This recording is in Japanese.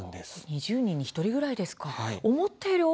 ２０人に１人ぐらいですか。